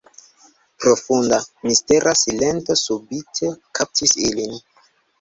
Profunda, mistera silento subite kaptis ilin.